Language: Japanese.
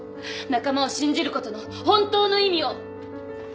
仲間を信じることの本当の意味を。